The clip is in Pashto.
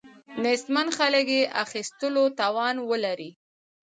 نیستمن خلک یې اخیستلو توان ولري.